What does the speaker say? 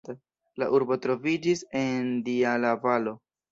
La urbo troviĝis en Dijala-valo.